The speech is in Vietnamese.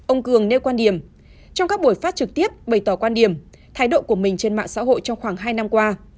ông cường nêu quan điểm trong các buổi phát trực tiếp bày tỏ quan điểm thái độ của mình trên mạng xã hội trong khoảng hai năm qua